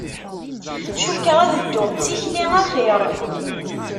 Cukkeɣ ad dduɣ d tikli axir.